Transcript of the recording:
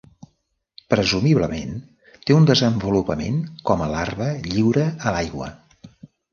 Presumiblement té un desenvolupament com a larva lliure a l'aigua.